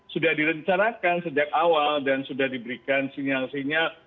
sudah direncanakan sejak awal dan sudah diberikan sinyal sinyal